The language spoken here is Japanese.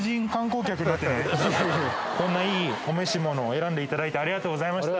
こんないいお召し物を選んでいただいてありがとうございました。